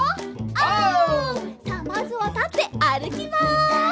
さあまずはたってあるきます！